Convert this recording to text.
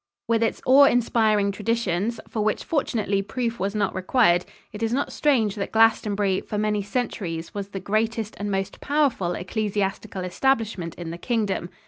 With its awe inspiring traditions for which, fortunately, proof was not required it is not strange that Glastonbury for many centuries was the greatest and most powerful ecclesiastical establishment in the Kingdom.